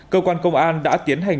cơ quan công an đã tiến hành